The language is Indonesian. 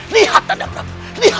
lihat nanda prabu